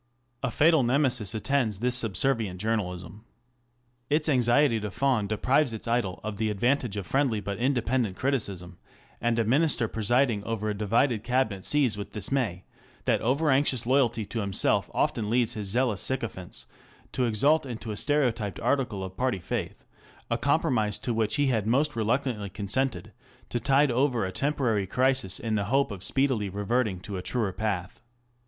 A fatal Nemesis attends this subservient journalism. Its anxiety to fawn deprives its idol of the advantage of friendly but independent criticism ; and a Minister presiding over a divided Cabinet sees with dismay that over anxious loyalty to himself often leads his zealous sycophants to exalt into a stereotyped article of party faith a compromise to which he had most reluctantly consented to tide over a temporary crisis in the hope of speedily reverting to a truer path.